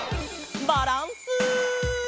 バランス。